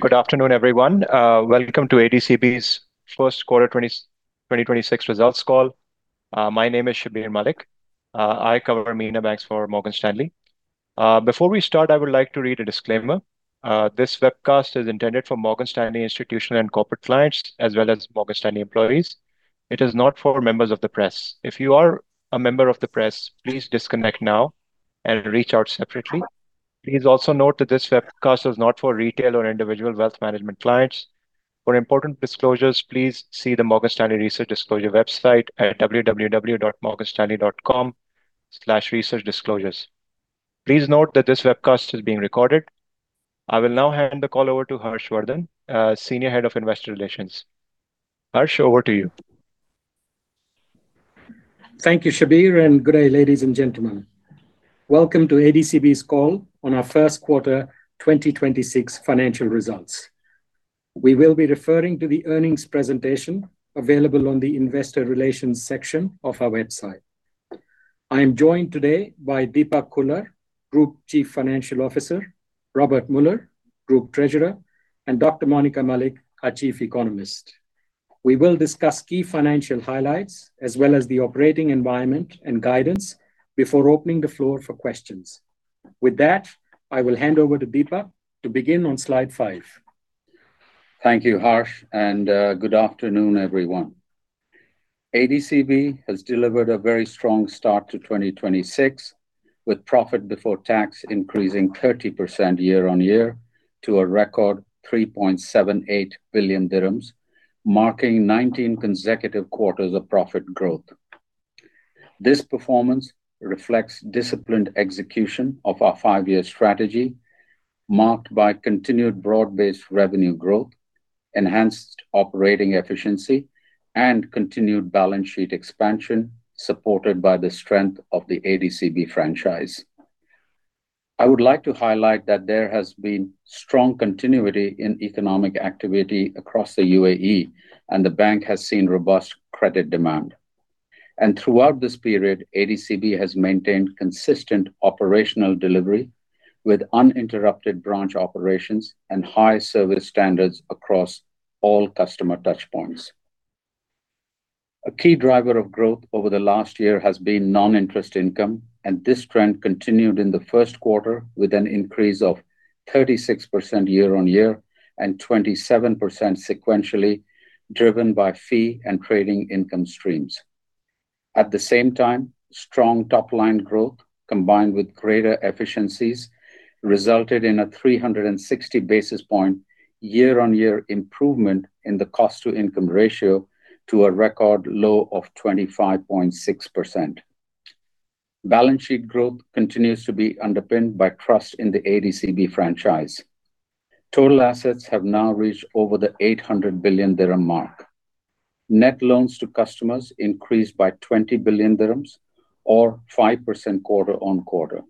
Good afternoon, everyone. Welcome to ADCB's Q1 2026 Results Call. My name is Shabbir Malik. I cover MENA banks for Morgan Stanley. Before we start, I would like to read a disclaimer. This webcast is intended for Morgan Stanley institutional and corporate clients, as well as Morgan Stanley employees. It is not for members of the press. If you are a member of the press, please disconnect now and reach out separately. Please also note that this webcast is not for retail or individual wealth management clients. For important disclosures, please see the Morgan Stanley Research Disclosure website at www.morganstanley.com/researchdisclosures. Please note that this webcast is being recorded. I will now hand the call over to Harsh Vardhan, Senior Head of Investor Relations. Harsh, over to you. Thank you, Shabbir, and good day, ladies and gentlemen. Welcome to ADCB's call on our Q1 2026 financial results. We will be referring to the earnings presentation available on the investor relations section of our website. I am joined today by Deepak Khullar, Group Chief Financial Officer, Robbert Muller, Group Treasurer, and Dr. Monica Malik, our Chief Economist. We will discuss key financial highlights, as well as the operating environment and guidance before opening the floor for questions. With that, I will hand over to Deepak to begin on slide 5. Thank you, Harsh, and good afternoon, everyone. ADCB has delivered a very strong start to 2026, with profit before tax increasing 30% year-on-year to a record 3.78 billion dirhams, marking 19 consecutive quarters of profit growth. This performance reflects disciplined execution of our five-year strategy, marked by continued broad-based revenue growth, enhanced operating efficiency, and continued balance sheet expansion, supported by the strength of the ADCB franchise. I would like to highlight that there has been strong continuity in economic activity across the UAE, and the bank has seen robust credit demand. Throughout this period, ADCB has maintained consistent operational delivery with uninterrupted branch operations and high service standards across all customer touchpoints. A key driver of growth over the last year has been non-interest income, and this trend continued in the Q1 with an increase of 36% year-on-year and 27% sequentially, driven by fee and trading income streams. At the same time, strong top-line growth, combined with greater efficiencies, resulted in a 360 basis points year-on-year improvement in the cost-to-income ratio to a record low of 25.6%. Balance sheet growth continues to be underpinned by trust in the ADCB franchise. Total assets have now reached over 800 billion dirham. Net loans to customers increased by 20 billion dirhams, or 5% quarter-on-quarter.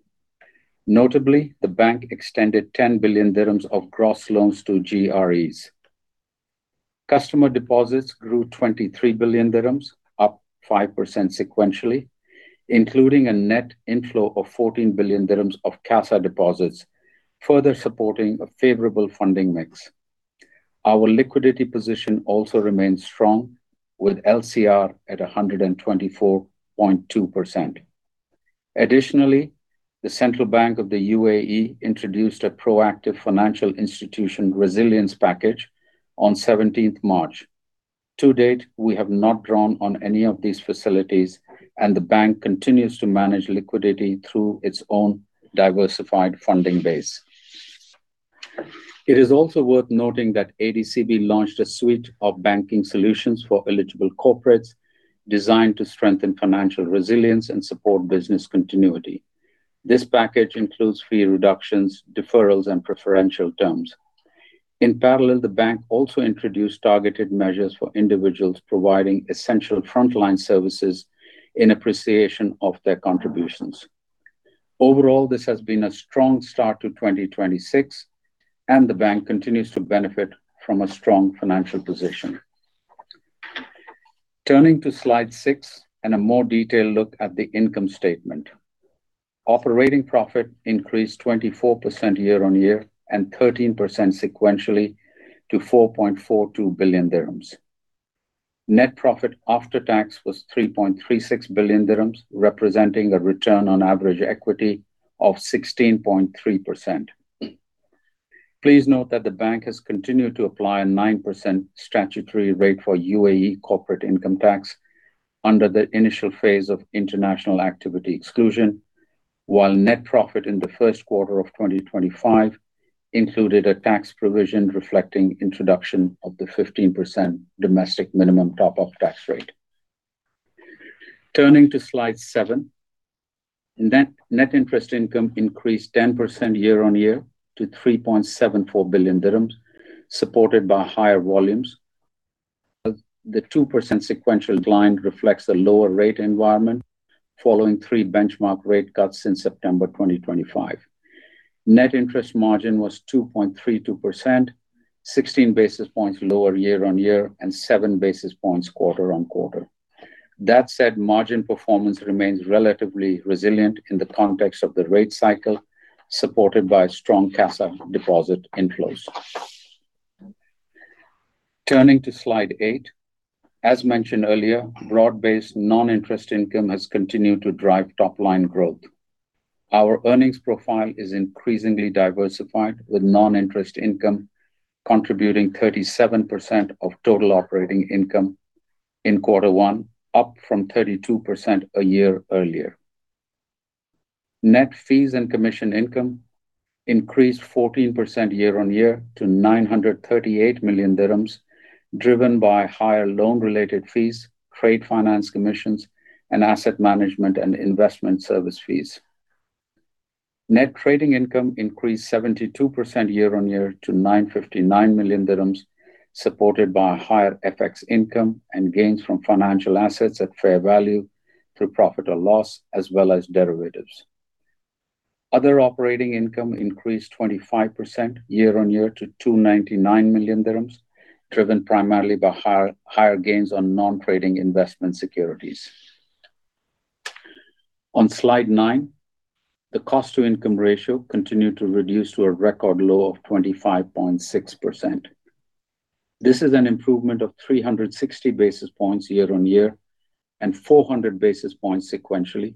Notably, the bank extended 10 billion dirhams of gross loans to GREs. Customer deposits grew 23 billion dirhams, up 5% sequentially, including a net inflow of 14 billion dirhams of CASA deposits, further supporting a favorable funding mix. Our liquidity position also remains strong, with LCR at 124.2%. Additionally, the Central Bank of the UAE introduced a proactive Financial Institution Resilience Package on 17 March 2026. To date, we have not drawn on any of these facilities, and the bank continues to manage liquidity through its own diversified funding base. It is also worth noting that ADCB launched a suite of banking solutions for eligible corporates, designed to strengthen financial resilience and support business continuity. This package includes fee reductions, deferrals, and preferential terms. In parallel, the bank also introduced targeted measures for individuals providing essential frontline services in appreciation of their contributions. Overall, this has been a strong start to 2026, and the bank continues to benefit from a strong financial position. Turning to slide 6 and a more detailed look at the income statement. Operating profit increased 24% year-on-year and 13% sequentially to 4.42 billion dirhams. Net profit after tax was 3.36 billion dirhams, representing a return on average equity of 16.3%. Please note that the bank has continued to apply a 9% statutory rate for UAE Corporate Income Tax under the initial phase of international activity exclusion, while net profit in the Q1 of 2025 included a tax provision reflecting introduction of the 15% Domestic Minimum Top-up Tax rate. Turning to Slide 7. Net interest income increased 10% year-on-year to 3.74 billion dirhams, supported by higher volumes. The 2% sequential decline reflects a lower rate environment following three benchmark rate cuts since September 2025. Net interest margin was 2.32%, 16 basis points lower year-on-year, and 7 basis points quarter-on-quarter. That said, margin performance remains relatively resilient in the context of the rate cycle, supported by strong CASA deposit inflows. Turning to slide 8. As mentioned earlier, broad-based non-interest income has continued to drive top-line growth. Our earnings profile is increasingly diversified, with non-interest income contributing 37% of total operating income in Q1, up from 32% a year earlier. Net fees and commission income increased 14% year-on-year to 938 million dirhams, driven by higher loan-related fees, trade finance commissions, and asset management and investment service fees. Net trading income increased 72% year-on-year to 959 million dirhams, supported by higher FX income and gains from financial assets at fair value through profit or loss, as well as derivatives. Other operating income increased 25% year-on-year to 299 million dirhams, driven primarily by higher gains on non-trading investment securities. On slide 9, the cost-to-income ratio continued to reduce to a record low of 25.6%. This is an improvement of 360 basis points year-on-year, and 400 basis points sequentially,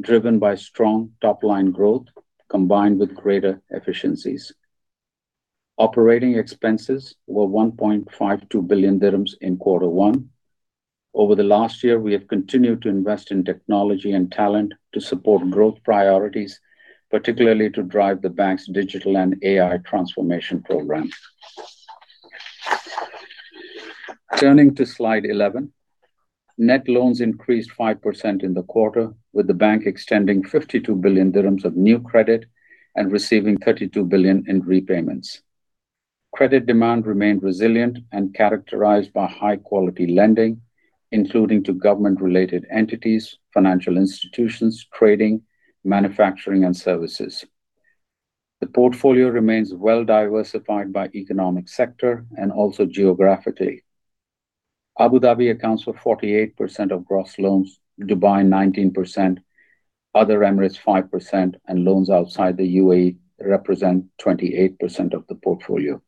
driven by strong top-line growth combined with greater efficiencies. Operating expenses were 1.52 billion dirhams in Q1. Over the last year, we have continued to invest in technology and talent to support growth priorities, particularly to drive the bank's digital and AI transformation program. Turning to slide 11. Net loans increased 5% in the quarter, with the bank extending 52 billion dirhams of new credit and receiving 32 billion in repayments. Credit demand remained resilient and characterized by high-quality lending, including to government-related entities, financial institutions, trading, manufacturing, and services. The portfolio remains well-diversified by economic sector and also geographically. Abu Dhabi accounts for 48% of gross loans, Dubai 19%, other emirates 5%, and loans outside the UAE represent 28% of the portfolio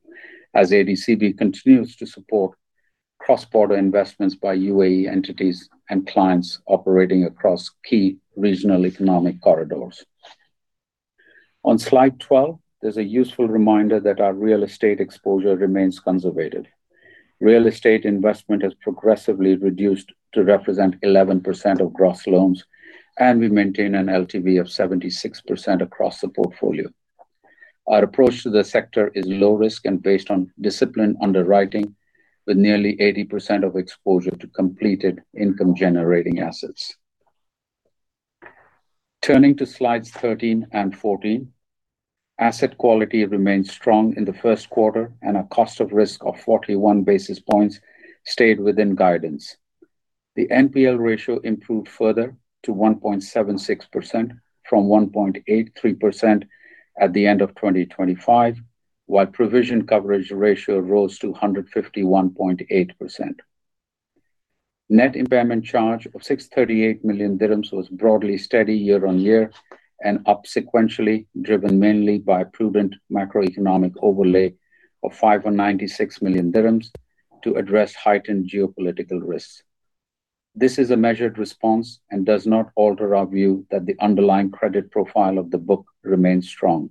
as ADCB continues to support cross-border investments by UAE entities and clients operating across key regional economic corridors. On slide 12, there's a useful reminder that our real estate exposure remains conservative. Real estate investment has progressively reduced to represent 11% of gross loans, and we maintain an LTV of 76% across the portfolio. Our approach to the sector is low risk and based on disciplined underwriting, with nearly 80% of exposure to completed income-generating assets. Turning to slides 13 and 14. Asset quality remained strong in the Q1, and our cost of risk of 41 basis points stayed within guidance. The NPL ratio improved further to 1.76% from 1.83% at the end of 2025, while provision coverage ratio rose to 151.8%. Net impairment charge of 638 million dirhams was broadly steady year-on-year and up sequentially, driven mainly by a prudent macroeconomic overlay of 596 million dirhams to address heightened geopolitical risks. This is a measured response and does not alter our view that the underlying credit profile of the book remains strong.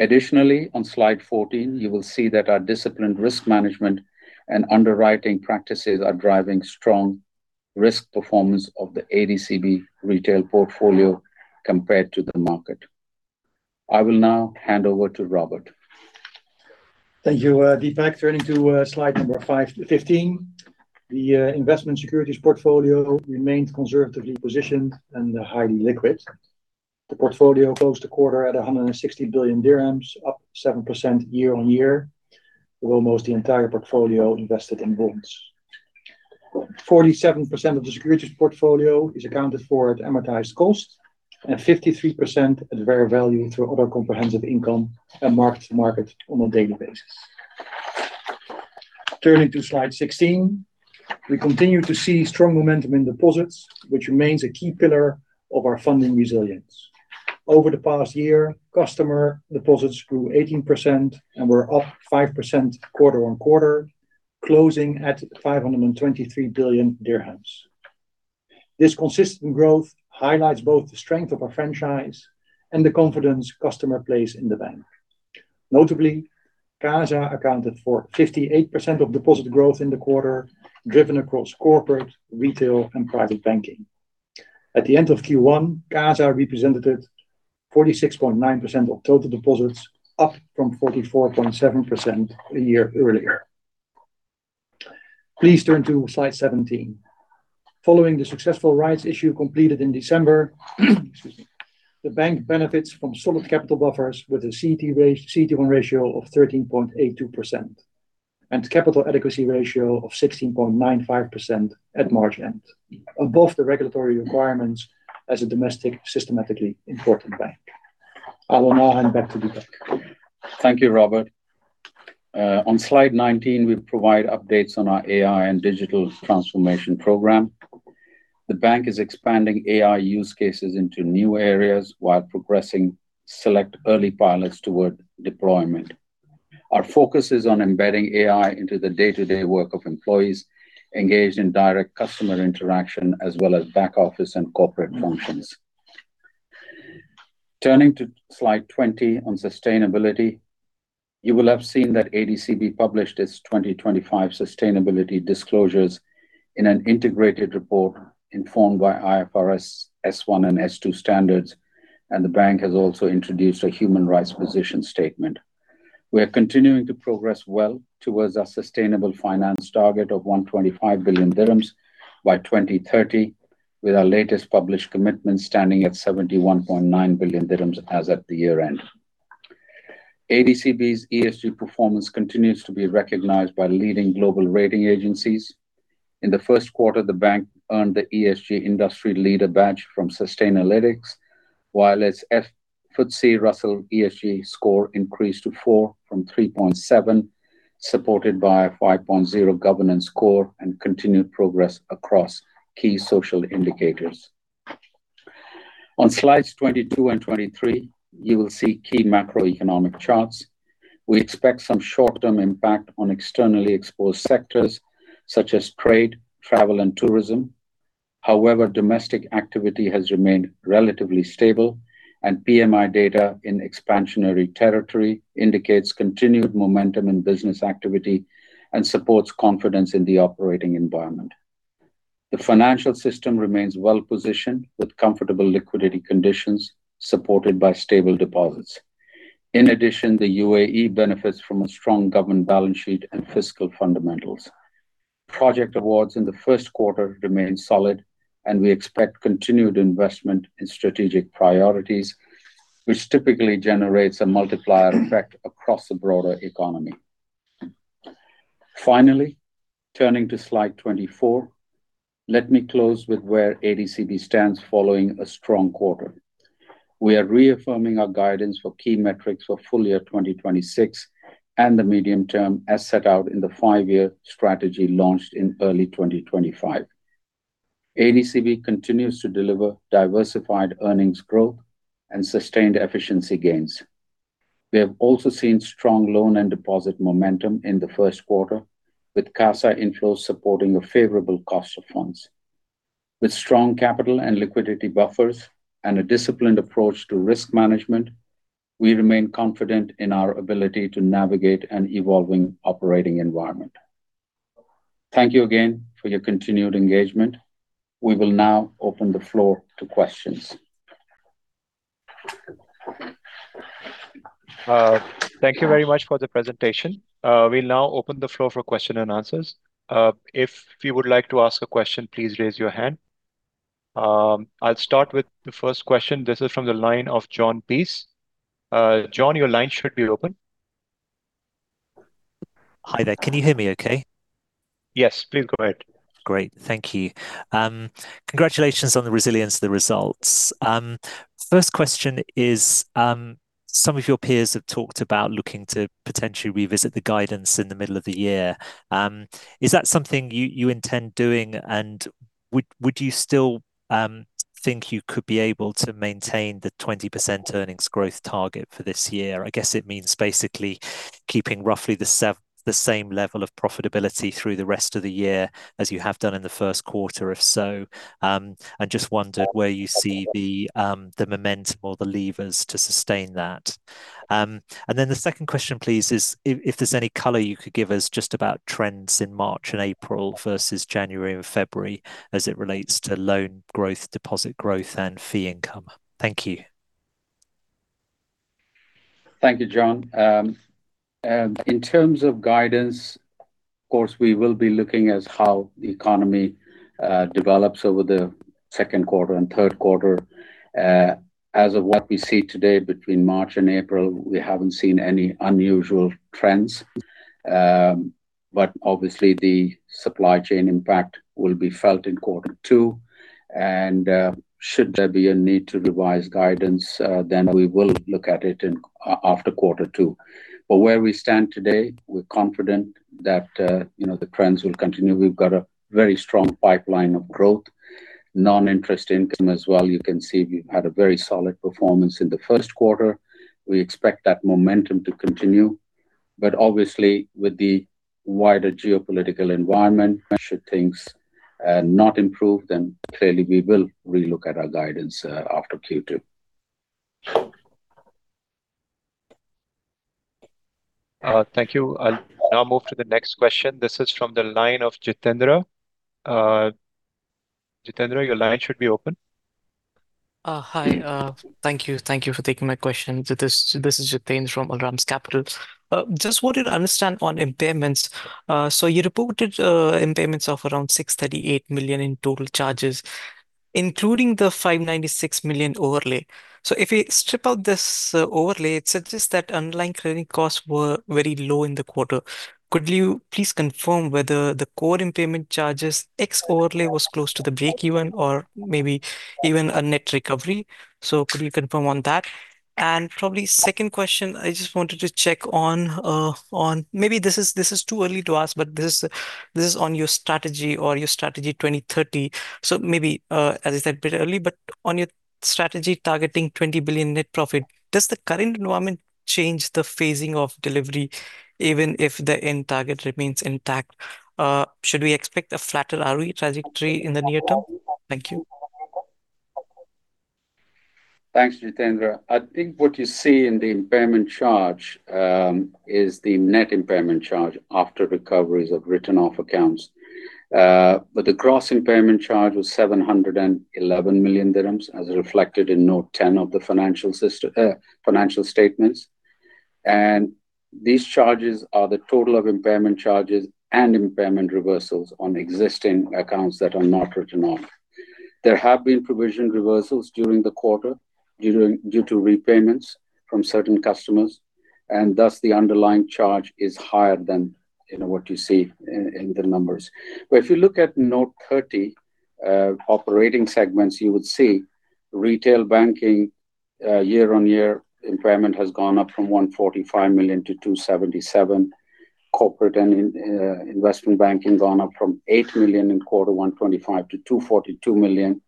Additionally, on slide 14, you will see that our disciplined risk management and underwriting practices are driving strong risk performance of the ADCB retail portfolio compared to the market. I will now hand over to Robbert. Thank you, Deepak. Turning to slide number 15. The investment securities portfolio remains conservatively positioned and highly liquid. The portfolio closed the quarter at 160 billion dirhams, up 7% year-on-year, with almost the entire portfolio invested in bonds. 47% of the securities portfolio is accounted for at amortized cost and 53% at fair value through other comprehensive income and marked-to-market on a daily basis. Turning to slide 16. We continue to see strong momentum in deposits, which remains a key pillar of our funding resilience. Over the past year, customer deposits grew 18% and were up 5% quarter-on-quarter, closing at 523 billion dirhams. This consistent growth highlights both the strength of our franchise and the confidence customers place in the bank. Notably, CASA accounted for 58% of deposit growth in the quarter, driven across corporate, retail, and private banking. At the end of Q1, CASA represented 46.9% of total deposits, up from 44.7% a year earlier. Please turn to slide 17. Following the successful rights issue completed in December, excuse me, the bank benefits from solid capital buffers with a CET1 ratio of 13.82%. Capital adequacy ratio of 16.95% at March end, above the regulatory requirements as a domestic systemically important bank. I will now hand back to Deepak. Thank you, Robbert. On slide 19, we provide updates on our AI and digital transformation program. The bank is expanding AI use cases into new areas while progressing select early pilots toward deployment. Our focus is on embedding AI into the day-to-day work of employees, engaged in direct customer interaction, as well as back office and corporate functions. Turning to slide 20, on sustainability. You will have seen that ADCB published its 2025 sustainability disclosures in an integrated report informed by IFRS S1 and S2 standards, and the bank has also introduced a human rights position statement. We are continuing to progress well towards our sustainable finance target of 125 billion dirhams by 2030, with our latest published commitment standing at 71.9 billion dirhams as at the year-end. ADCB's ESG performance continues to be recognized by leading global rating agencies. In the Q1, the bank earned the ESG Industry Leader badge from Sustainalytics, while its FTSE Russell ESG score increased to 4.0 From 3.7, supported by a 5.0 governance score and continued progress across key social indicators. On slides 22 and 23, you will see key macroeconomic charts. We expect some short-term impact on externally exposed sectors such as trade, travel and tourism. However, domestic activity has remained relatively stable, and PMI data in expansionary territory indicates continued momentum in business activity and supports confidence in the operating environment. The financial system remains well-positioned, with comfortable liquidity conditions supported by stable deposits. In addition, the UAE benefits from a strong government balance sheet and fiscal fundamentals. Project awards in the Q1 remained solid, and we expect continued investment in strategic priorities, which typically generates a multiplier effect across the broader economy. Finally, turning to slide 24, let me close with where ADCB stands following a strong quarter. We are reaffirming our guidance for key metrics for full year 2026 and the medium term, as set out in the five-year strategy launched in early 2025. ADCB continues to deliver diversified earnings growth and sustained efficiency gains. We have also seen strong loan and deposit momentum in the Q1, with CASA inflows supporting a favorable cost of funds. With strong capital and liquidity buffers and a disciplined approach to risk management, we remain confident in our ability to navigate an evolving operating environment. Thank you again for your continued engagement. We will now open the floor to questions. Thank you very much for the presentation. We'll now open the floor for question and answers. If you would like to ask a question, please raise your hand. I'll start with the first question. This is from the line of Jon Peace. Jon, your line should be open. Hi there. Can you hear me okay? Yes. Please go ahead. Great. Thank you. Congratulations on the resilience of the results. First question is, some of your peers have talked about looking to potentially revisit the guidance in the middle of the year. Is that something you intend doing, and would you still think you could be able to maintain the 20% earnings growth target for this year? I guess it means basically keeping roughly the same level of profitability through the rest of the year as you have done in the Q1. If so, I just wondered where you see the momentum or the levers to sustain that. The second question, please, is, if there's any color you could give us just about trends in March and April versus January and February as it relates to loan growth, deposit growth, and fee income. Thank you. Thank you, Jon. In terms of guidance, of course, we will be looking at how the economy develops over the Q2 and Q3. As of what we see today, between March and April, we haven't seen any unusual trends. Obviously, the supply chain impact will be felt in Q2. Should there be a need to revise guidance, then we will look at it after Q2. Where we stand today, we're confident that the trends will continue. We've got a very strong pipeline of growth. Non-interest income as well. You can see we've had a very solid performance in the Q1. We expect that momentum to continue. Obviously, with the wider geopolitical environment, should things not improve, then clearly we will relook at our guidance after Q2. Thank you. I'll now move to the next question. This is from the line of Jitendra. Jitendra, your line should be open. Hi. Thank you. Thank you for taking my question. This is Jitendra from Al Ramz Capital. Just wanted to understand on impairments. You reported impairments of around 638 million in total charges, including the 596 million overlay. If we strip out this overlay, it suggests that underlying credit costs were very low in the quarter. Could you please confirm whether the core impairment charges ex overlay was close to the breakeven or maybe even a net recovery? Could you confirm on that? Probably second question, I just wanted to check on, maybe this is too early to ask, but this is on your Strategy 2030. Maybe, as I said, a bit early, but on your strategy targeting 20 billion net profit, does the current environment change the phasing of delivery even if the end target remains intact? Should we expect a flatter ROE trajectory in the near term? Thank you. Thanks, Jitendra. I think what you see in the impairment charge is the net impairment charge after recoveries of written off accounts. The gross impairment charge was 711 million dirhams, as reflected in Note 10 of the financial statements. These charges are the total of impairment charges and impairment reversals on existing accounts that are not written off. There have been provision reversals during the quarter due to repayments from certain customers, and thus the underlying charge is higher than what you see in the numbers. If you look at Note 30, operating segments, you would see Retail Banking year-on-year impairment has gone up from 145 million to 277 million. Corporate and Investment Banking gone up from 8 million in Q1 2025 to 242 million.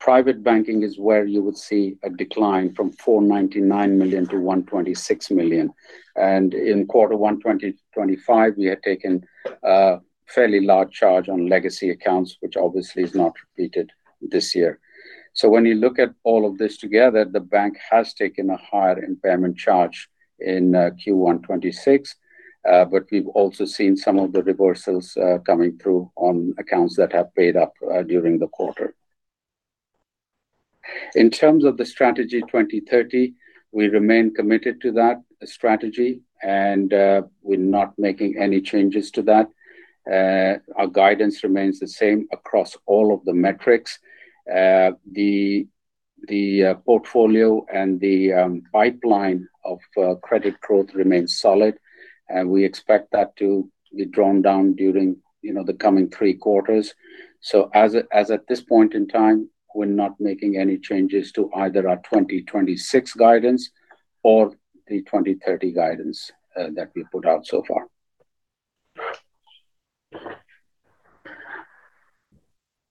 Private Banking is where you would see a decline from 499 million to 126 million. In Q1 2025, we had taken a fairly large charge on legacy accounts, which obviously is not repeated this year. When you look at all of this together, the bank has taken a higher impairment charge in Q1 2026. We've also seen some of the reversals coming through on accounts that have paid up during the quarter. In terms of the Strategy 2030, we remain committed to that strategy, and we're not making any changes to that. Our guidance remains the same across all of the metrics. The portfolio and the pipeline of credit growth remains solid. We expect that to be drawn down during the coming three quarters. As at this point in time, we're not making any changes to either our 2026 guidance or the 2030 guidance that we put out so far.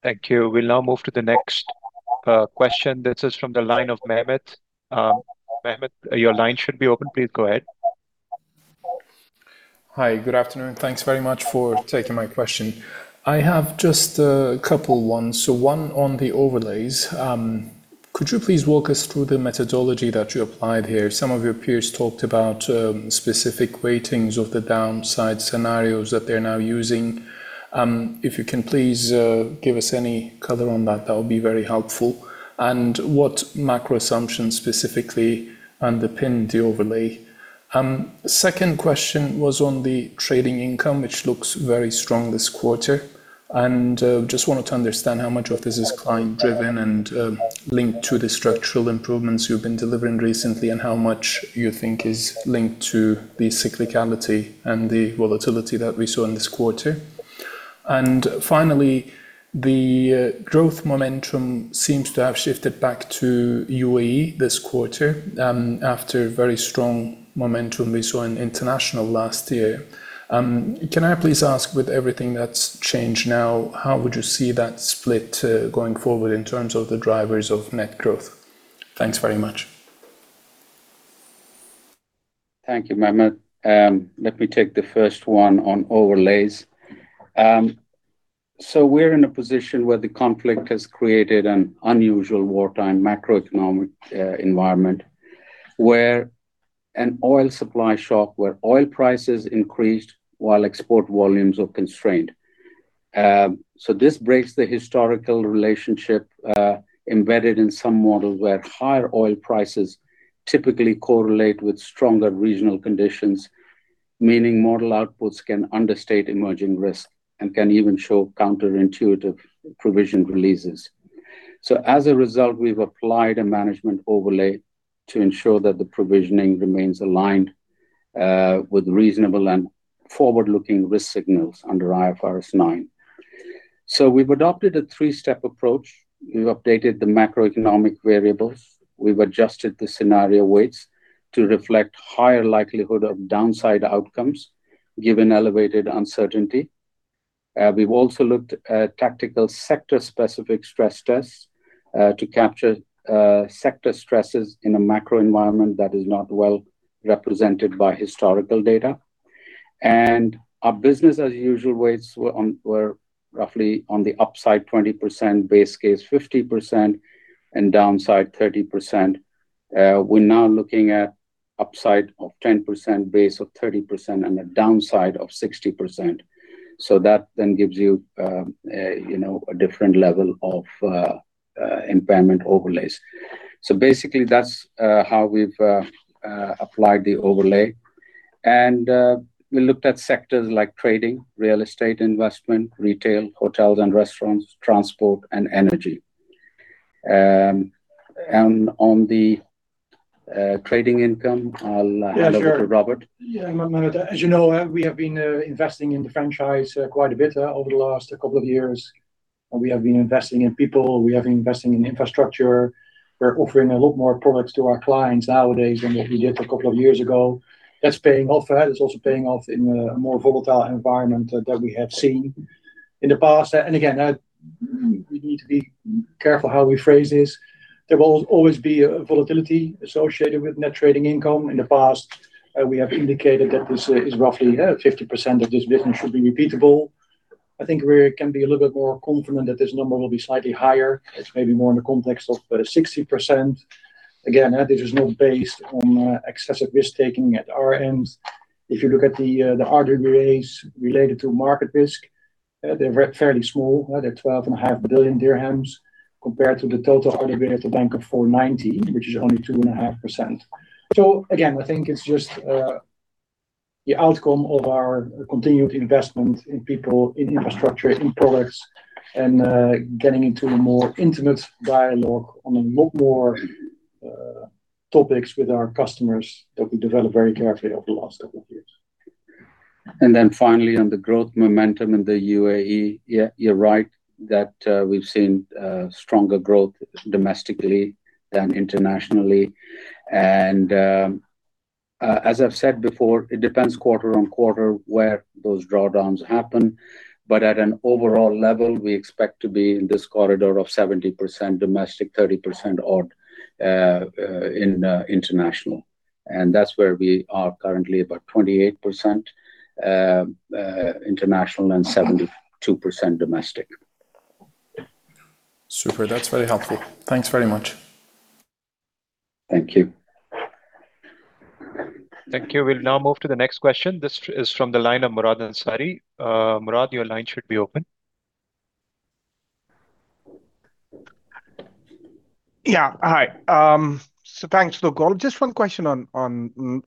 Thank you. We'll now move to the next question. This is from the line of Mehmet. Mehmet, your line should be open. Please go ahead. Hi. Good afternoon. Thanks very much for taking my question. I have just a couple ones. One on the overlays. Could you please walk us through the methodology that you applied here? Some of your peers talked about specific weightings of the downside scenarios that they're now using. If you can please give us any color on that would be very helpful. What macro assumptions specifically underpin the overlay? Second question was on the trading income, which looks very strong this quarter. Just wanted to understand how much of this is client-driven and linked to the structural improvements you've been delivering recently, and how much you think is linked to the cyclicality and the volatility that we saw in this quarter. Finally, the growth momentum seems to have shifted back to UAE this quarter after very strong momentum we saw in international last year. Can I please ask, with everything that's changed now, how would you see that split going forward in terms of the drivers of net growth? Thanks very much. Thank you, Mehmet. Let me take the first one on overlays. We're in a position where the conflict has created an unusual wartime macroeconomic environment where an oil supply shock, where oil prices increased while export volumes were constrained. This breaks the historical relationship embedded in some models where higher oil prices typically correlate with stronger regional conditions, meaning model outputs can understate emerging risk and can even show counterintuitive provision releases. As a result, we've applied a management overlay to ensure that the provisioning remains aligned with reasonable and forward-looking risk signals under IFRS 9. We've adopted a three-step approach. We've updated the macroeconomic variables. We've adjusted the scenario weights to reflect higher likelihood of downside outcomes given elevated uncertainty. We've also looked at tactical sector specific stress tests to capture sector stresses in a macro environment that is not well represented by historical data. Our business as usual weights were roughly on the upside 20%, base case 50%, and downside 30%. We're now looking at upside of 10%, base of 30%, and a downside of 60%. That then gives you a different level of impairment overlays. Basically, that's how we've applied the overlay. We looked at sectors like trading, real estate investment, retail, hotels and restaurants, transport and energy. On the trading income, I'll hand over to Robbert. Yeah, sure. Yeah, Mehmet, as you know, we have been investing in the franchise quite a bit over the last couple of years. We have been investing in people, we have been investing in infrastructure. We're offering a lot more products to our clients nowadays than we did a couple of years ago. That's paying off. It's also paying off in a more volatile environment that we have seen in the past. Again, we need to be careful how we phrase this. There will always be a volatility associated with net trading income. In the past, we have indicated that this is roughly 50% of this business should be repeatable. I think we can be a little bit more confident that this number will be slightly higher. It's maybe more in the context of 60%. Again, this is not based on excessive risk-taking at our end. If you look at the RWA related to market risk, they're fairly small. They're 12.5 billion dirhams compared to the total RWA at the bank of 490 billion, which is only 2.5%. Again, I think it's just the outcome of our continued investment in people, in infrastructure, in products, and getting into a more intimate dialogue on a lot more topics with our customers that we developed very carefully over the last couple of years. Then finally, on the growth momentum in the UAE, yeah, you're right that we've seen stronger growth domestically than internationally. As I've said before, it depends quarter-on-quarter where those drawdowns happen. At an overall level, we expect to be in this corridor of 70% domestic, 30% odd in international. That's where we are currently, about 28% international and 72% domestic. Super. That's very helpful. Thanks very much. Thank you. Thank you. We'll now move to the next question. This is from the line of Murad Ansari. Murad, your line should be open. Yeah. Hi. Thanks, Deepak. Just one question on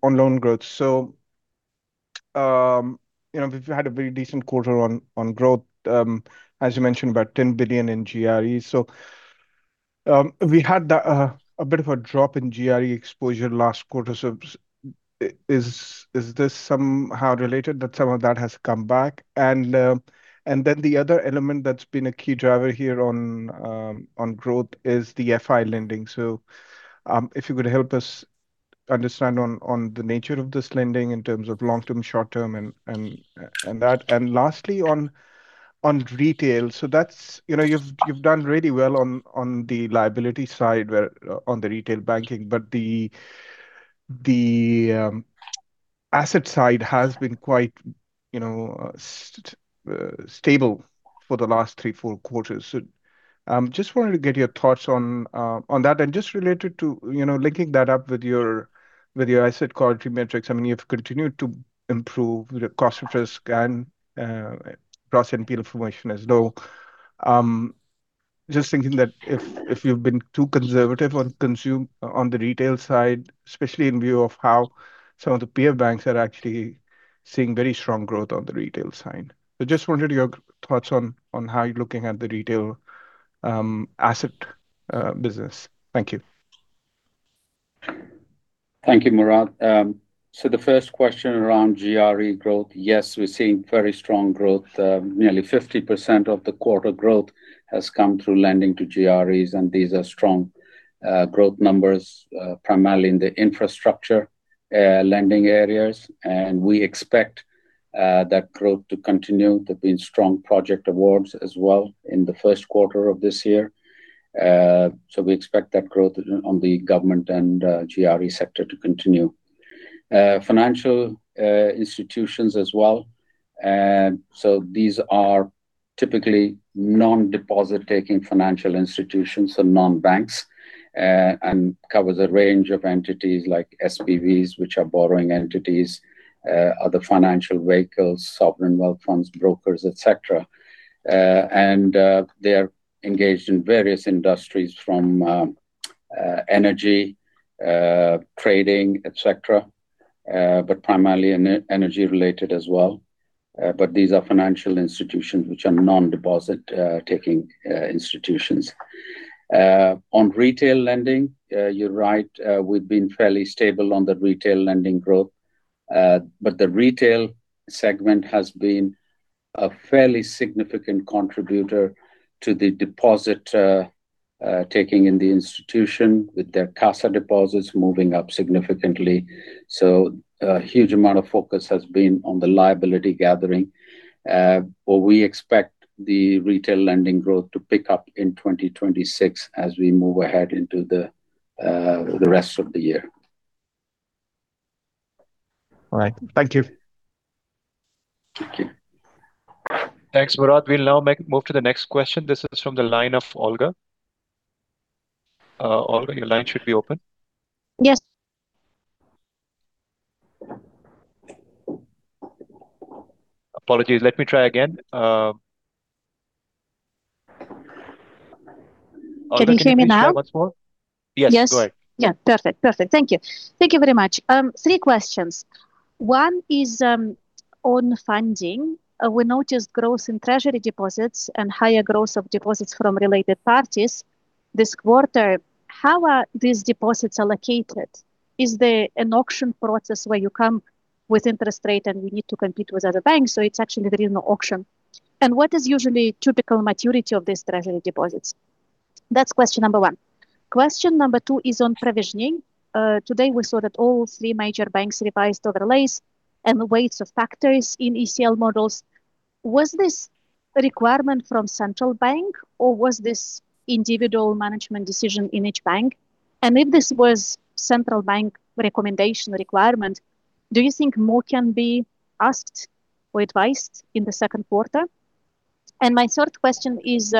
loan growth. We've had a very decent quarter on growth, as you mentioned, about 10 billion in GRE. We had a bit of a drop in GRE exposure last quarter. Is this somehow related that some of that has come back? Then the other element that's been a key driver here on growth is the FI lending. If you could help us understand on the nature of this lending in terms of long-term, short-term and that. Lastly on retail. You've done really well on the liability side, on the retail banking, but the asset side has been quite stable for the last three to four quarters. Just wanted to get your thoughts on that. Just related to linking that up with your asset quality metrics. I mean, you've continued to improve your cost of risk and loss and impairment as low. Just thinking that if you've been too conservative on the retail side, especially in view of how some of the peer banks are actually seeing very strong growth on the retail side. Just wanted your thoughts on how you're looking at the retail asset business. Thank you. Thank you, Murad. The first question around GRE growth, yes, we're seeing very strong growth. Nearly 50% of the quarter growth has come through lending to GREs, and these are strong growth numbers, primarily in the infrastructure lending areas. We expect that growth to continue. There's been strong project awards as well in the Q1 of this year. We expect that growth on the government and GRE sector to continue. Financial institutions as well. These are typically non-deposit-taking financial institutions, so non-banks, and cover the range of entities like SPVs, which are borrowing entities, other financial vehicles, sovereign wealth funds, brokers, et cetera. They are engaged in various industries from energy, trading, et cetera, but primarily energy-related as well. These are financial institutions which are non-deposit-taking institutions. On retail lending, you're right, we've been fairly stable on the retail lending growth. The retail segment has been a fairly significant contributor to the deposit taking in the institution, with their CASA deposits moving up significantly. A huge amount of focus has been on the liability gathering. We expect the retail lending growth to pick up in 2026 as we move ahead into the rest of the year. All right. Thank you. Thank you. Thanks, Murad. We'll now move to the next question. This is from the line of Olga. Olga, your line should be open. Yes. Apologies. Let me try again. Can you hear me now? Yes, go ahead. Yeah, perfect. Thank you. Thank you very much. Three questions. One is on funding. We noticed growth in treasury deposits and higher growth of deposits from related parties this quarter. How are these deposits allocated? Is there an auction process where you come with interest rate and you need to compete with other banks, so it's actually there is no auction? And what is usually typical maturity of these treasury deposits? That's question number one. Question number two is on provisioning. Today, we saw that all three major banks revised overlays and the weights of factors in ECL models. Was this a requirement from Central Bank or was this individual management decision in each bank? And if this was Central Bank recommendation requirement, do you think more can be asked or advised in the Q2? My third question is,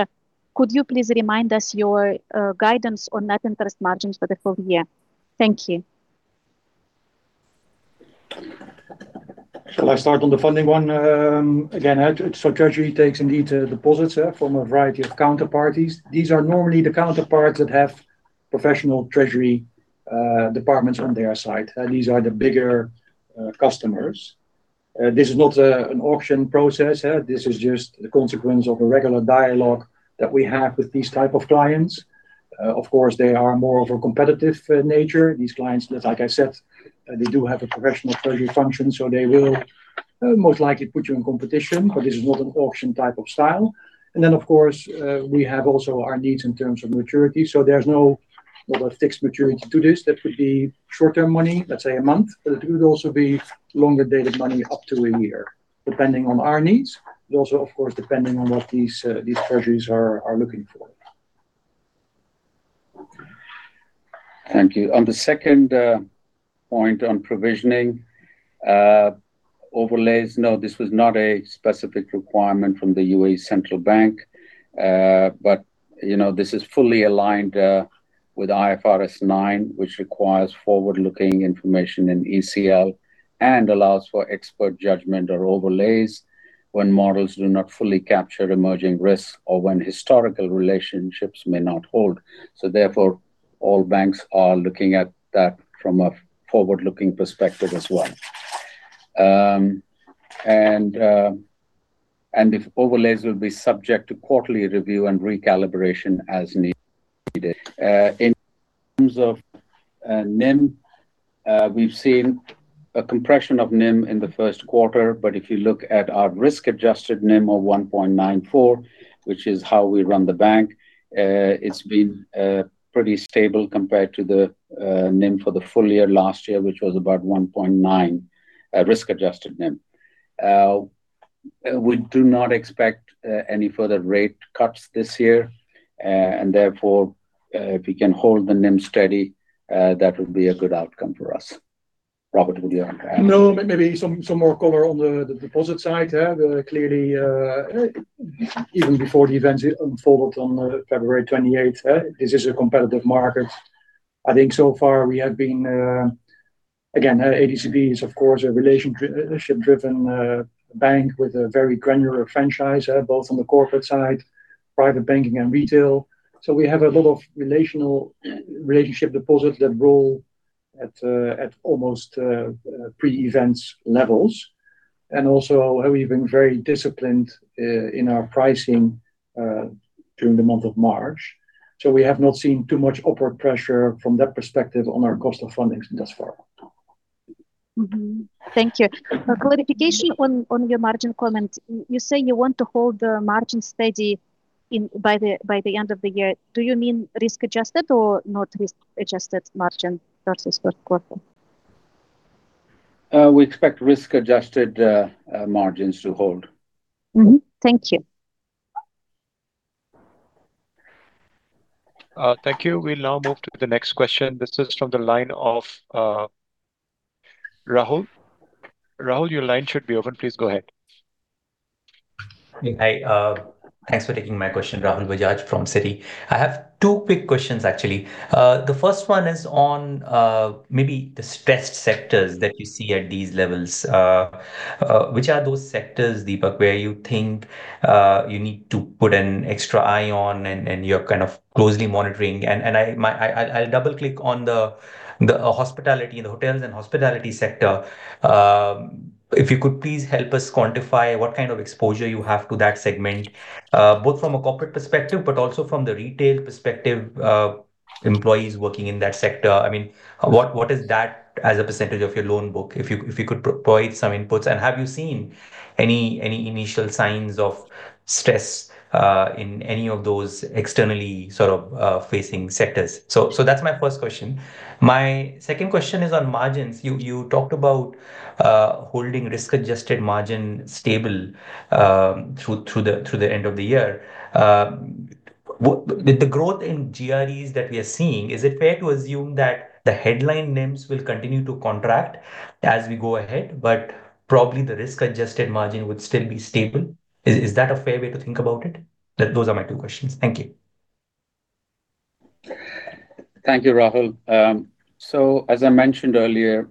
could you please remind us of your guidance on net interest margins for the full year? Thank you. Shall I start on the funding one? Again, treasury takes indeed deposits from a variety of counterparties. These are normally the counterparties that have professional treasury departments on their side. These are the bigger customers. This is not an auction process. This is just the consequence of a regular dialogue that we have with these type of clients. Of course, they are more of a competitive nature. These clients, like I said, they do have a professional treasury function, so they will most likely put you in competition, but this is not an auction type of style. Then, of course, we have also our needs in terms of maturity. There's no fixed maturity to this. That would be short-term money, let's say a month, but it could also be longer dated money up to a year, depending on our needs, but also, of course, depending on what these treasuries are looking for. Thank you. On the second point on provisioning, overlays, no, this was not a specific requirement from the UAE Central Bank. This is fully aligned with IFRS 9, which requires forward-looking information in ECL and allows for expert judgment or overlays when models do not fully capture emerging risks or when historical relationships may not hold. Therefore, all banks are looking at that from a forward-looking perspective as well. The overlays will be subject to quarterly review and recalibration as needed. In terms of NIM, we've seen a compression of NIM in the Q1, but if you look at our risk-adjusted NIM of 1.94%, which is how we run the bank, it's been pretty stable compared to the NIM for the full year last year, which was about 1.9% risk-adjusted NIM. We do not expect any further rate cuts this year, and therefore, if we can hold the NIM steady, that would be a good outcome for us. Robbert, would you like to add? No, maybe some more color on the deposit side. Clearly, even before the events unfolded on February 28th, this is a competitive market. I think so far we have been, again, ADCB is, of course, a relationship-driven bank with a very granular franchise, both on the corporate side, private banking, and retail. So we have a lot of relationship deposits that roll at almost pre-events levels. We've been very disciplined in our pricing during the month of March. We have not seen too much upward pressure from that perspective on our cost of fundings thus far. Thank you. A clarification on your margin comment. You're saying you want to hold the margin steady by the end of the year. Do you mean risk-adjusted or not risk-adjusted margin versus Q1? We expect risk-adjusted margins to hold. Thank you. Thank you. We'll now move to the next question. This is from the line of Rahul. Rahul, your line should be open. Please go ahead. Hi. Thanks for taking my question. Rahul Bajaj from Citi. I have two quick questions, actually. The first one is on maybe the stressed sectors that you see at these levels. Which are those sectors, Deepak, where you think you need to put an extra eye on and you're kind of closely monitoring? I'll double-click on the hospitality and the hotels and hospitality sector. If you could please help us quantify what kind of exposure you have to that segment, both from a corporate perspective, but also from the retail perspective, employees working in that sector. What is that as a percentage of your loan book? If you could provide some inputs. Have you seen any initial signs of stress in any of those externally facing sectors? That's my first question. My second question is on margins. You talked about holding risk-adjusted margin stable through the end of the year. With the growth in GREs that we are seeing, is it fair to assume that the headline NIMs will continue to contract as we go ahead, but probably the risk-adjusted margin would still be stable? Is that a fair way to think about it? Those are my two questions. Thank you. Thank you, Rahul. As I mentioned earlier,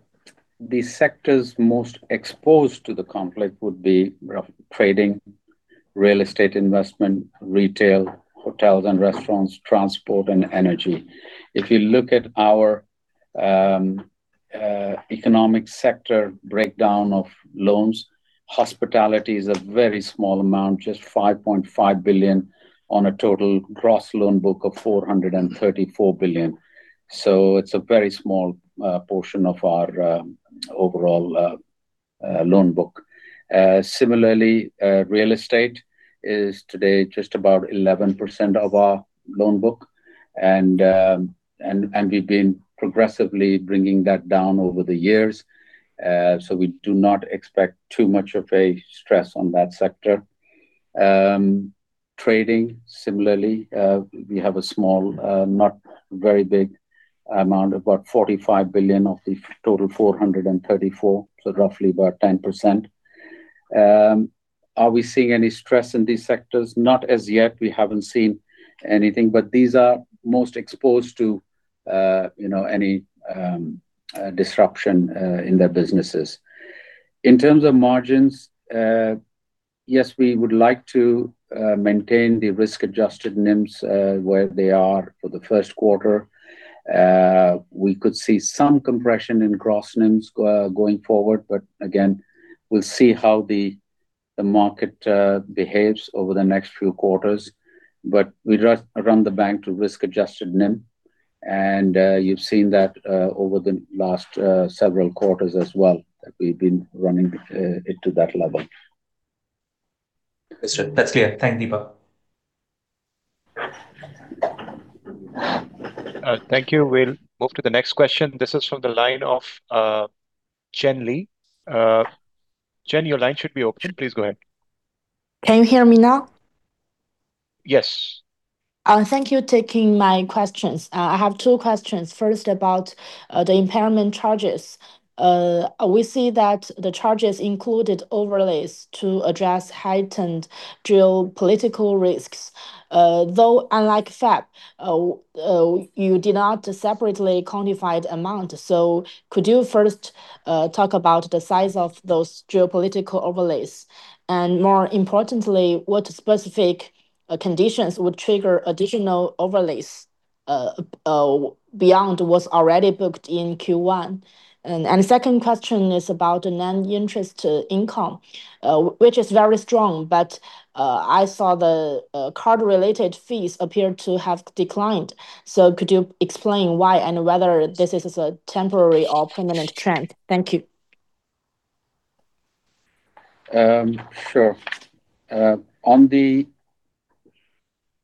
the sectors most exposed to the conflict would be trading, real estate investment, retail, hotels and restaurants, transport and energy. If you look at our economic sector breakdown of loans, hospitality is a very small amount, just 5.5 billion on a total gross loan book of 434 billion. It's a very small portion of our overall loan book. Similarly, real estate is today just about 11% of our loan book. We've been progressively bringing that down over the years, so we do not expect too much of a stress on that sector. Trading, similarly, we have a small, not very big amount, about 45 billion of the total 434 billion, so roughly about 10%. Are we seeing any stress in these sectors? Not as yet. We haven't seen anything, but these are most exposed to any disruption in their businesses. In terms of margins, yes, we would like to maintain the risk-adjusted NIMs where they are for the Q1. We could see some compression in gross NIMs going forward, but again, we'll see how the market behaves over the next few quarters. We run the bank to risk-adjusted NIM, and you've seen that over the last several quarters as well, that we've been running it to that level. That's clear. Thank you, Deepak. Thank you. We'll move to the next question. This is from the line of Chen Li. Chen, your line should be open. Please go ahead. Can you hear me now? Yes. Thank you for taking my questions. I have two questions. First, about the impairment charges. We see that the charges included overlays to address heightened geopolitical risks. Though, unlike FAB, you did not separately quantify the amount. Could you first talk about the size of those geopolitical overlays? More importantly, what specific conditions would trigger additional overlays beyond what's already booked in Q1? Second question is about the non-interest income, which is very strong, but I saw the card-related fees appear to have declined. Could you explain why and whether this is a temporary or permanent trend? Thank you. Sure. On the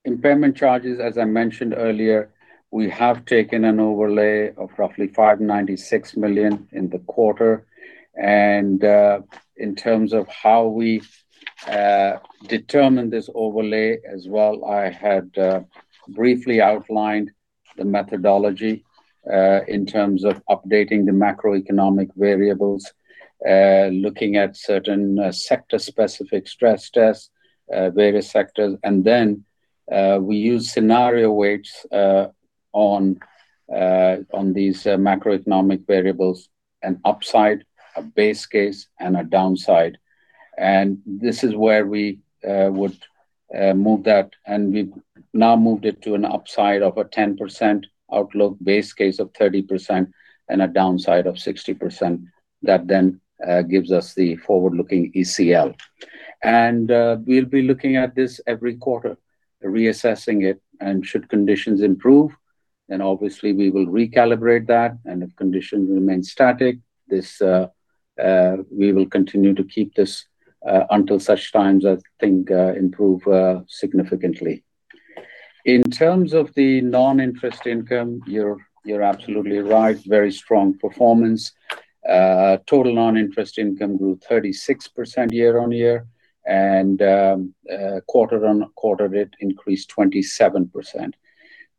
impairment charges, as I mentioned earlier, we have taken an overlay of roughly 596 million in the quarter. In terms of how we determine this overlay as well, I had briefly outlined the methodology in terms of updating the macroeconomic variables, looking at certain sector-specific stress tests, various sectors. Then we use scenario weights on these macroeconomic variables, an upside, a base case, and a downside. This is where we would move that. We've now moved it to an upside of a 10% outlook, base case of 30%, and a downside of 60%. That then gives us the forward-looking ECL. We'll be looking at this every quarter, reassessing it. Should conditions improve, then obviously we will recalibrate that. If conditions remain static, we will continue to keep this until such times I think improve significantly. In terms of the non-interest income, you're absolutely right. Very strong performance. Total non-interest income grew 36% year-on-year, and quarter-on-quarter it increased 27%.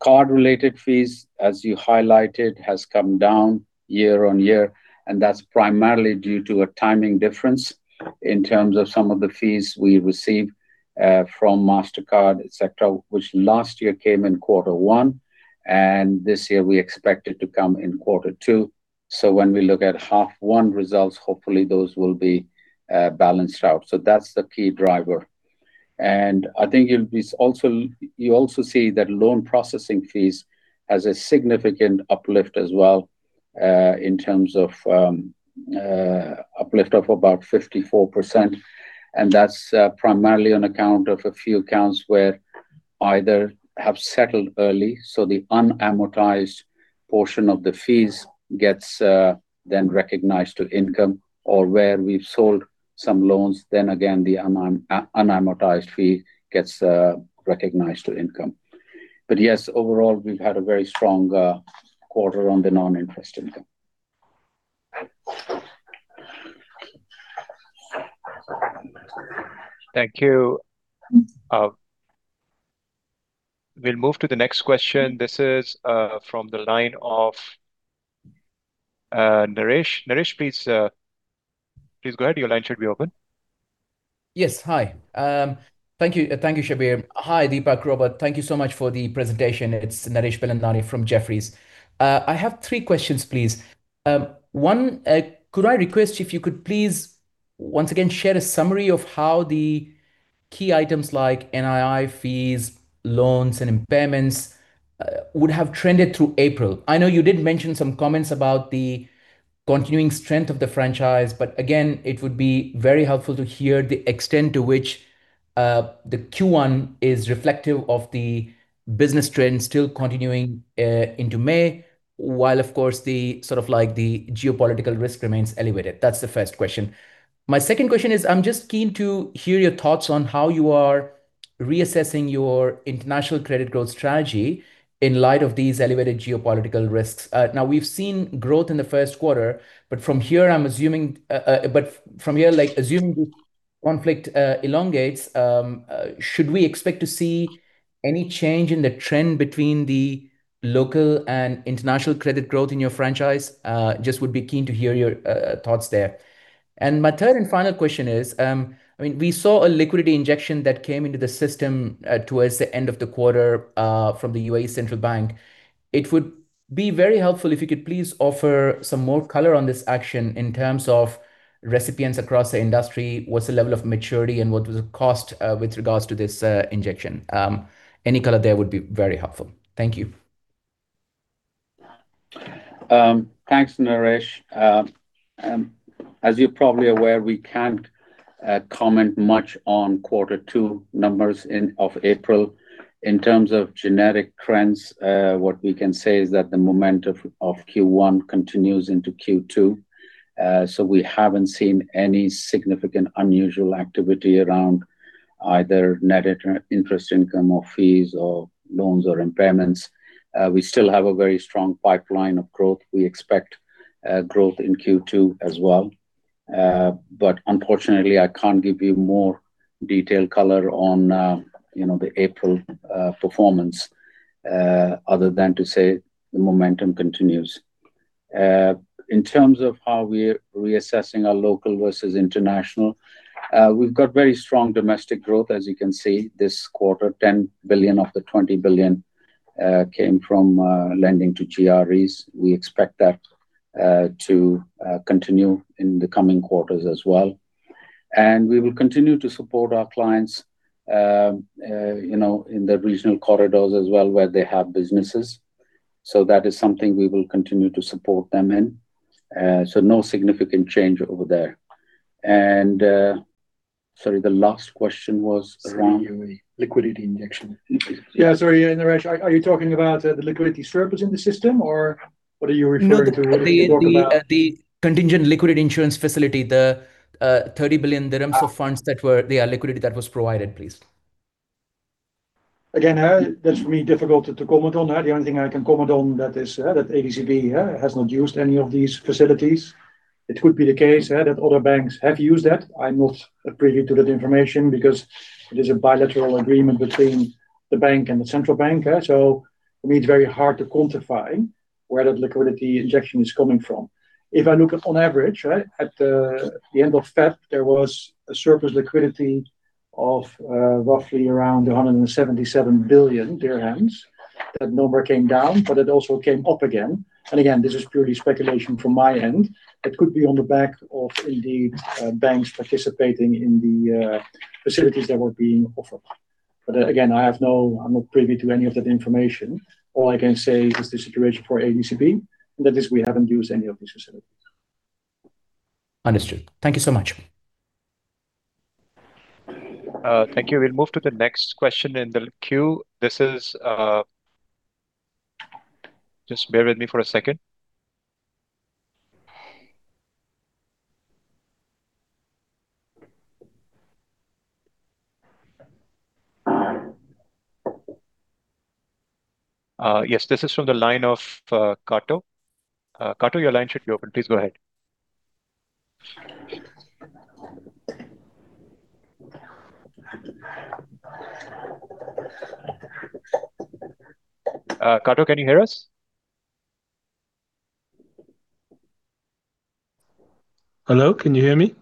Card-related fees, as you highlighted, has come down year-on-year, and that's primarily due to a timing difference in terms of some of the fees we receive from Mastercard, et cetera, which last year came in Q1, and this year we expect it to come in Q2. When we look at half one results, hopefully those will be balanced out. That's the key driver. I think you also see that loan processing fees has a significant uplift as well, in terms of uplift of about 54%, and that's primarily on account of a few accounts where either have settled early, so the unamortized portion of the fees gets then recognized to income, or where we've sold some loans, then again, the unamortized fee gets recognized to income. Yes, overall, we've had a very strong quarter on the non-interest income. Thank you. We'll move to the next question. This is from the line of Naresh. Naresh, please go ahead. Your line should be open. Yes. Hi. Thank you, Shabbir. Hi, Deepak, Robbert. Thank you so much for the presentation. It's Naresh Bilandani from Jefferies. I have three questions, please. One, could I request if you could please once again share a summary of how the key items like NII fees, loans, and impairments would have trended through April? I know you did mention some comments about the continuing strength of the franchise, but again, it would be very helpful to hear the extent to which the Q1 is reflective of the business trends still continuing into May, while, of course, the geopolitical risk remains elevated. That's the first question. My second question is, I'm just keen to hear your thoughts on how you are reassessing your international credit growth strategy in light of these elevated geopolitical risks. Now, we've seen growth in the Q1, but from here, assuming this conflict elongates, should we expect to see any change in the trend between the local and international credit growth in your franchise? Just would be keen to hear your thoughts there. My third and final question is, we saw a liquidity injection that came into the system towards the end of the quarter from the UAE Central Bank. It would be very helpful if you could please offer some more color on this action in terms of recipients across the industry, what's the level of maturity, and what was the cost with regards to this injection? Any color there would be very helpful. Thank you. Thanks, Naresh. As you're probably aware, we can't comment much on Q2 numbers as of April. In terms of general trends, what we can say is that the momentum of Q1 continues into Q2. We haven't seen any significant unusual activity around either net interest income, or fees, or loans, or impairments. We still have a very strong pipeline of growth. We expect growth in Q2 as well. Unfortunately, I can't give you more detailed color on the April performance, other than to say the momentum continues. In terms of how we're reassessing our local versus international, we've got very strong domestic growth, as you can see. This quarter, 10 billion of 20 billion came from lending to GREs. We expect that to continue in the coming quarters as well. We will continue to support our clients in the regional corridors as well where they have businesses. That is something we will continue to support them in. No significant change over there. Sorry, the last question was around? UAE liquidity injection. Yeah, sorry, Naresh, are you talking about the liquidity surplus in the system, or what are you referring to? You're talking about No, the Contingent Liquidity Insurance Facility, the 30 billion dirhams of funds that were the liquidity that was provided, please. Again, that's for me difficult to comment on. The only thing I can comment on that is that ADCB has not used any of these facilities. It could be the case that other banks have used that. I'm not privy to that information because it is a bilateral agreement between the bank and the Central Bank. For me, it's very hard to quantify where that liquidity injection is coming from. If I look at on average at the end of February, there was a surplus liquidity of roughly around 177 billion dirhams. That number came down, but it also came up again, and again, this is purely speculation from my end. It could be on the back of indeed banks participating in the facilities that were being offered. Again, I'm not privy to any of that information. All I can say is the situation for ADCB, and that is we haven't used any of these facilities. Understood. Thank you so much. Thank you. We'll move to the next question in the queue. Just bear with me for a second. Yes, this is from the line of Kato. Kato, your line should be open. Please go ahead. Kato, can you hear us? Hello, can you hear me?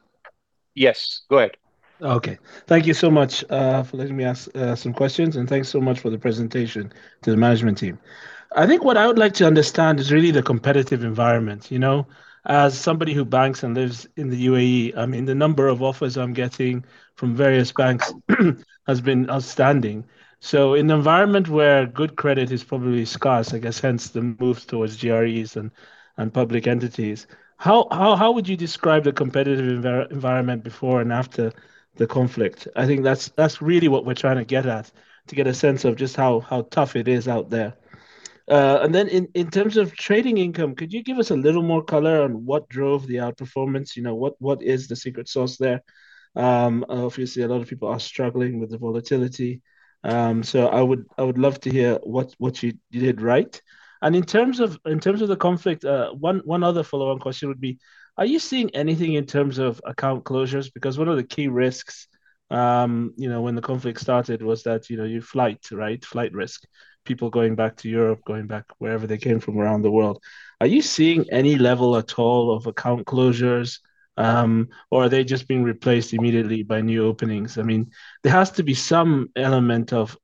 Yes, go ahead. Okay. Thank you so much for letting me ask some questions, and thanks so much for the presentation to the management team. I think what I would like to understand is really the competitive environment. As somebody who banks and lives in the UAE, I mean, the number of offers I'm getting from various banks has been outstanding. In an environment where good credit is probably scarce, I guess hence the move towards GREs and public entities, how would you describe the competitive environment before and after the conflict? I think that's really what we're trying to get at, to get a sense of just how tough it is out there. Then in terms of trading income, could you give us a little more color on what drove the outperformance? What is the secret sauce there? Obviously, a lot of people are struggling with the volatility. I would love to hear what you did right. In terms of the conflict, one other follow-up question would be, are you seeing anything in terms of account closures? Because one of the key risks when the conflict started was that your flight risk, people going back to Europe, going back wherever they came from around the world. Are you seeing any level at all of account closures? Or are they just being replaced immediately by new openings? I mean, there has to be some element of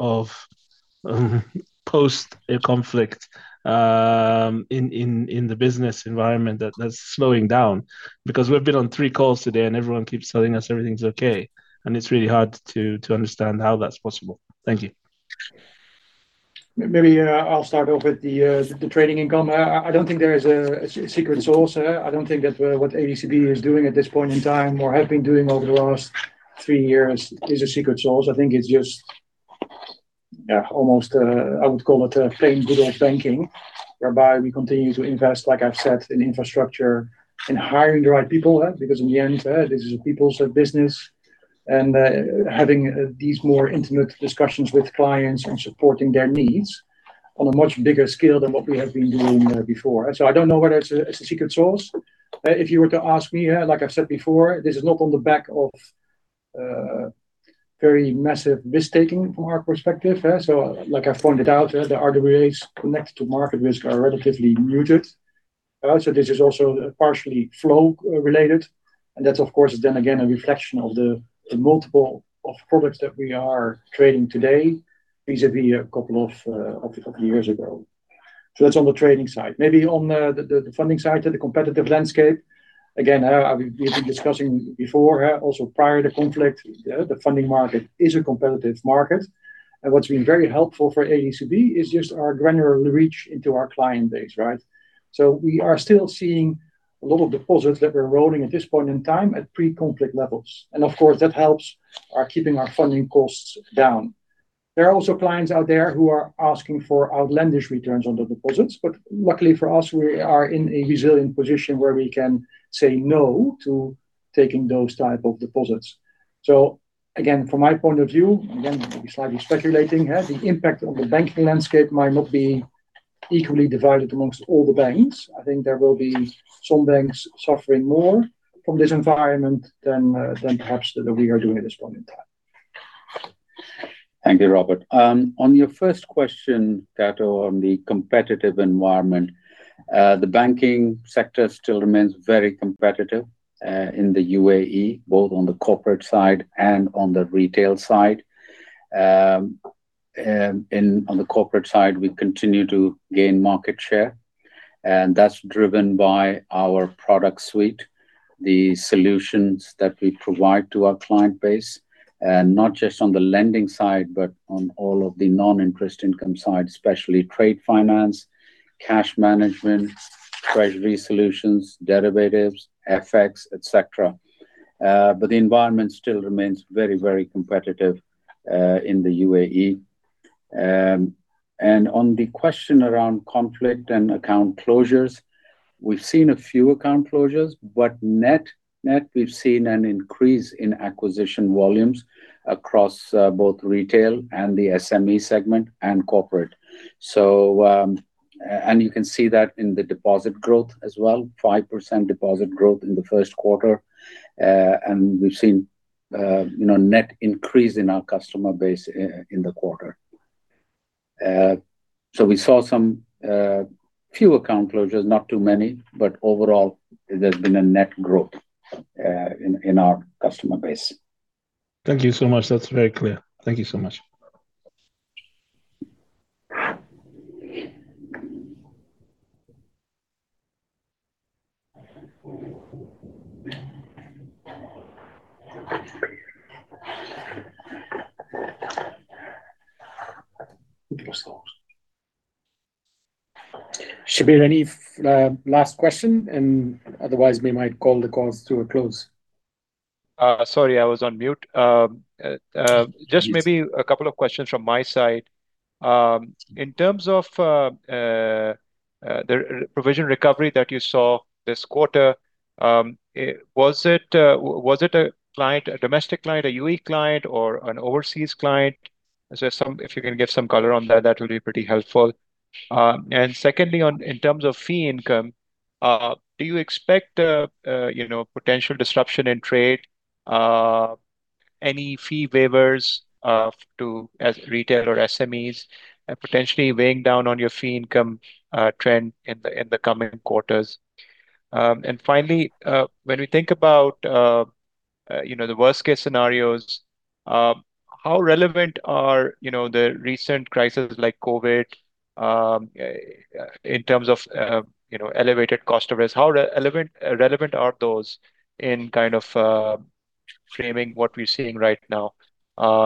post-conflict in the business environment that's slowing down, because we've been on three calls today, and everyone keeps telling us everything's okay. It's really hard to understand how that's possible. Thank you. Maybe I'll start off with the trading income. I don't think there is a secret sauce. I don't think that what ADCB is doing at this point in time or have been doing over the last three years is a secret sauce. I think it's just, almost, I would call it plain good old banking, whereby we continue to invest, like I've said, in infrastructure, in hiring the right people. Because in the end, this is a people's business. Having these more intimate discussions with clients and supporting their needs on a much bigger scale than what we have been doing before. I don't know whether it's a secret sauce. If you were to ask me, like I said before, this is not on the back of very massive risk-taking from our perspective. Like I pointed out, the RWAs connected to market risk are relatively muted. This is also partially flow related, that of course, is then again a reflection of the multiple of products that we are trading today vis-à-vis a couple of years ago. That's on the trading side. Maybe on the funding side, the competitive landscape, again, we've been discussing before, also prior to conflict, the funding market is a competitive market. What's been very helpful for ADCB is just our granular reach into our client base, right? We are still seeing a lot of deposits that we're rolling at this point in time at pre-conflict levels. Of course, that helps our keeping our funding costs down. There are also clients out there who are asking for outlandish returns on their deposits. Luckily for us, we are in a resilient position where we can say no to taking those type of deposits. Again, from my point of view, again, maybe slightly speculating, the impact on the banking landscape might not be equally divided among all the banks. I think there will be some banks suffering more from this environment than perhaps we are doing at this point in time. Thank you, Robbert. On your first question, Kato, on the competitive environment, the banking sector still remains very competitive, in the UAE, both on the corporate side and on the retail side. On the corporate side, we continue to gain market share, and that's driven by our product suite, the solutions that we provide to our client base, and not just on the lending side, but on all of the non-interest income side, especially trade finance, cash management, treasury solutions, derivatives, FX, et cetera. But the environment still remains very, very competitive in the UAE. On the question around conflict and account closures, we've seen a few account closures, but net, we've seen an increase in acquisition volumes across both retail and the SME segment and corporate. You can see that in the deposit growth as well, 5% deposit growth in the Q1. We've seen net increase in our customer base in the quarter. We saw some few account closures, not too many. Overall, there's been a net growth in our customer base. Thank you so much. That's very clear. Thank you so much. Shabbir, any last question? Otherwise, we might call the calls to a close. Sorry, I was on mute. Just maybe a couple of questions from my side. In terms of the provision recovery that you saw this quarter, was it a domestic client, a UAE client, or an overseas client? If you can give some color on that would be pretty helpful. Secondly, in terms of fee income, do you expect potential disruption in trade, any fee waivers to retail or SMEs potentially weighing down on your fee income trend in the coming quarters? Finally, when we think about the worst case scenarios, how relevant are the recent crises like COVID, in terms of elevated cost of risk? How relevant are those in kind of framing what we're seeing right now,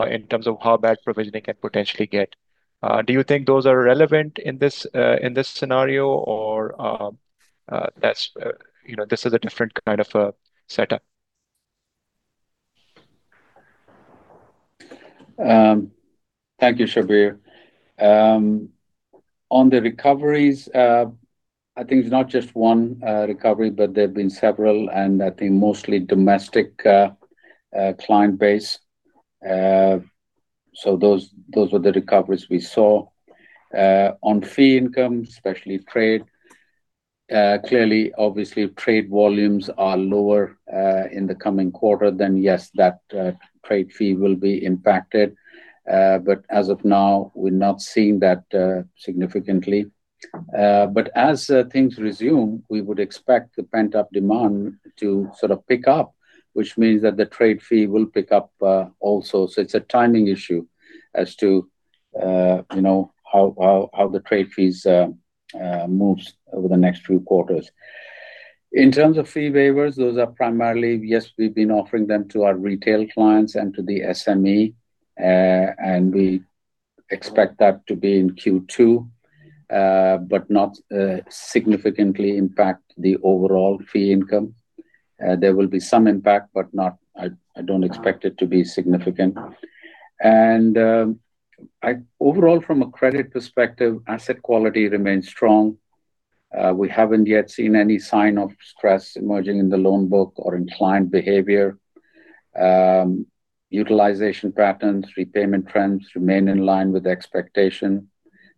in terms of how bad provisioning can potentially get? Do you think those are relevant in this scenario, or this is a different kind of a setup? Thank you, Shabbir. On the recoveries, I think it's not just one recovery, but there have been several, and I think mostly domestic client base. Those were the recoveries we saw. On fee income, especially trade, clearly, obviously, if trade volumes are lower, in the coming quarter, then yes, that trade fee will be impacted. As of now, we're not seeing that significantly. As things resume, we would expect the pent-up demand to sort of pick up, which means that the trade fee will pick up also. It's a timing issue as to how the trade fees moves over the next few quarters. In terms of fee waivers, those are primarily, yes, we've been offering them to our retail clients and to the SME, and we expect that to be in Q2 but not significantly impact the overall fee income. There will be some impact, but I don't expect it to be significant. Overall, from a credit perspective, asset quality remains strong. We haven't yet seen any sign of stress emerging in the loan book or in client behavior. Utilization patterns, repayment trends remain in line with expectation.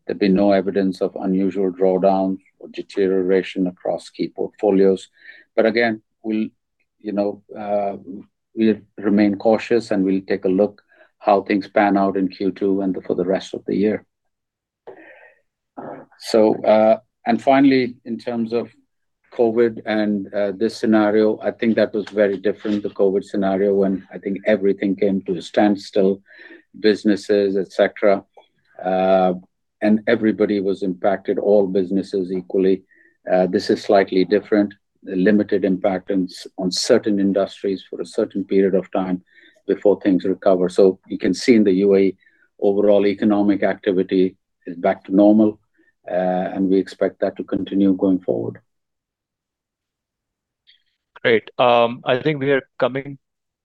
There'll be no evidence of unusual drawdown or deterioration across key portfolios. Again, we'll remain cautious, and we'll take a look how things pan out in Q2 and for the rest of the year. Finally, in terms of COVID and this scenario, I think that was very different, the COVID scenario, when I think everything came to a standstill, businesses, et cetera, and everybody was impacted, all businesses equally. This is slightly different. A limited impact on certain industries for a certain period of time before things recover. You can see in the UAE, overall economic activity is back to normal, and we expect that to continue going forward. Great. I think we are coming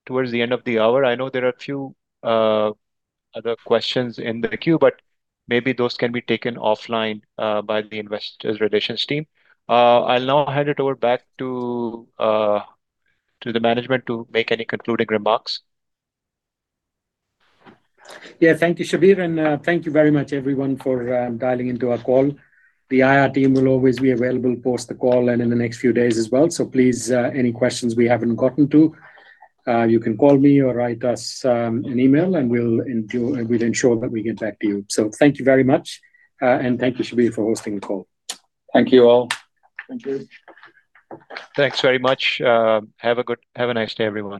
towards the end of the hour. I know there are a few other questions in the queue, but maybe those can be taken offline by the investor relations team. I'll now hand it over back to the management to make any concluding remarks. Yeah. Thank you, Shabbir, and thank you very much, everyone, for dialing into our call. The IR team will always be available post the call and in the next few days as well, so please, any questions we haven't gotten to, you can call me or write us an email, and we'll ensure that we get back to you. So thank you very much. Thank you, Shabbir, for hosting the call. Thank you, all. Thank you. Thanks very much. Have a nice day, everyone.